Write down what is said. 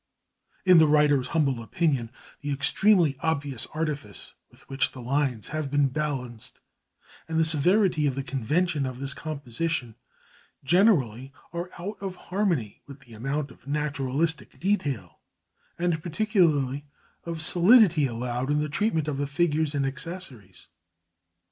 In the writer's humble opinion the extremely obvious artifice with which the lines have been balanced, and the severity of the convention of this composition generally, are out of harmony with the amount of naturalistic detail and particularly of solidity allowed in the treatment of the figures and accessories.